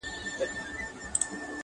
نجلۍ له شرمه ځان پټوي او مقاومت نه کوي,